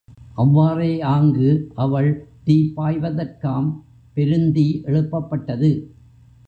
அவ்வாறே ஆங்கு அவள் தீப்பாய்தற்காம் பெருந்தீ எழுப்பப் பட்டது.